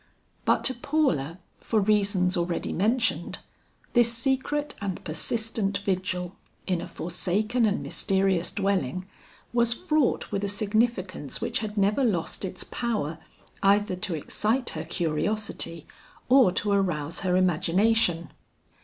But to Paula, for reasons already mentioned, this secret and persistent vigil in a forsaken and mysterious dwelling, was fraught with a significance which had never lost its power either to excite her curiosity or to arouse her imagination.